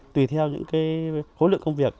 tùy theo những cái khối lượng công việc